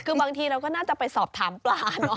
คือบางทีเราก็น่าจะไปสอบถามปลาเนอะ